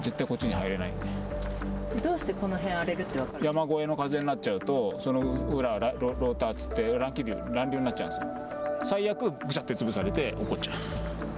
山越えの風になっちゃうと、その裏は、ローターっつって、乱気流、乱流になっちゃうんですよ。